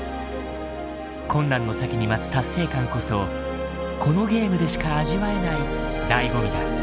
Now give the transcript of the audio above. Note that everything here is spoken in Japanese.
困難の先に待つ達成感こそこのゲームでしか味わえない醍醐味だ。